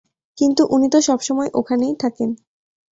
কিন্তু উনি তো সবসময় ওখানেই থাকেন।